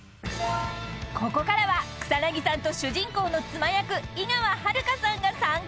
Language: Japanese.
［ここからは草さんと主人公の妻役井川遥さんが参加］